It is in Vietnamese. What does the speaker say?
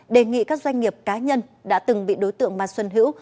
đề nghị các doanh nghiệp cá nhân đã từng bị đối tượng mai xuân hữu